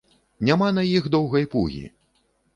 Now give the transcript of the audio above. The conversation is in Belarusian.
Няма на іх доўгай пугі.